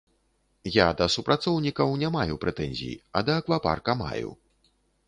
Я да супрацоўнікаў не маю прэтэнзій, а да аквапарка маю.